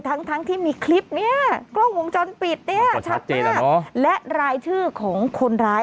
ทั้งทั้งที่มีคลิปเนี่ยกล้องวงจรปิดเนี่ยชัดมากและรายชื่อของคนร้าย